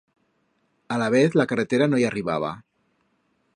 Alavez la carretera no i arribaba.